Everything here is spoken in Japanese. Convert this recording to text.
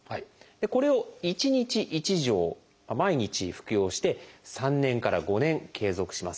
これを１日１錠毎日服用して３年から５年継続します。